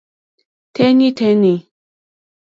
Téɲítéɲí.